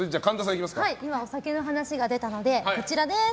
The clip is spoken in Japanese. お酒の話が出たので、こちら。